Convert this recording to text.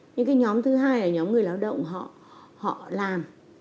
những cái nhóm thứ hai là nhóm người lao động họ làm